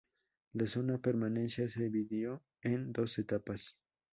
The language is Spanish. La "zona permanencia" se dividió en dos etapas.